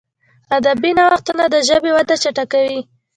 ادبي نوښتونه د ژبي وده چټکوي.